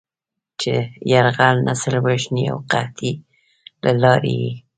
چې د "يرغل، نسل وژنې او قحطۍ" له لارې یې